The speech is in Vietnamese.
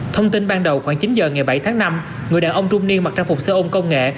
thông tin ban đầu khoảng chín giờ ngày bảy tháng năm người đàn ông trung niên mặc trang phục xe ôm công nghệ